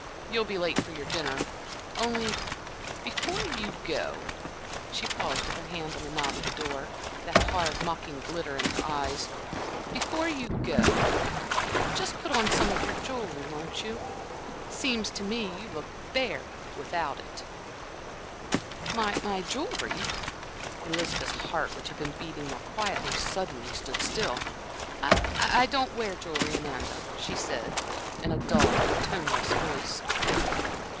"You'll be late for your dinner. Only, before you go" she paused with her hand on the knob of the door, that hard, mocking glitter in her eyes "before you go, just put on some of your jewelry, won't you? Seems to me you look sort of bare without it." "My my jewelry?" Elizabeth's heart, which had been beating more quietly, suddenly stood still. "I I don't wear jewelry, Amanda," she said, in a dull, toneless voice.